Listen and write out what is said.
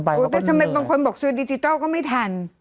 แต่ทำไมบางคนบอกซื้อดิจิทัลก็ไม่ทัน